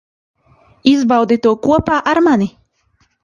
Izbaudi to kopā ar mani.